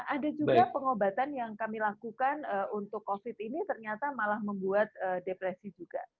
ada juga pengobatan yang kami lakukan untuk covid ini ternyata malah membuat depresi juga